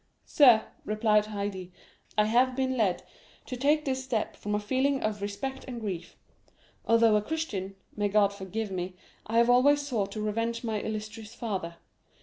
'—'Sir,' replied Haydée, 'I have been led to take this step from a feeling of respect and grief. Although a Christian, may God forgive me, I have always sought to revenge my illustrious father.